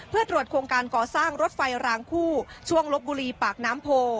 เพื่อตรวจโครงการก่อสร้างรถไฟรางคู่ช่วงลบบุรีปากน้ำโพ